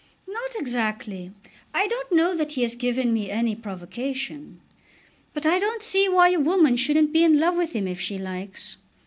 "Not exactly. I don't know that he has given me any provocation. But I don't see why a woman shouldn't be in love with him if she likes.